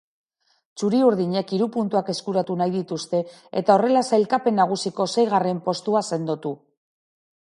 Txuri-urdinek hiru puntuak eskuratu nahi dituzte eta horrela sailkapen nagusiko seigarren postua sendotu.